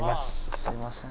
すいません。